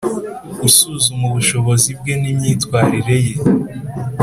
Usuzuma ubushobozi bwe n imyitwarire ye